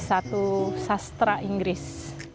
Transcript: s satu sastra inggris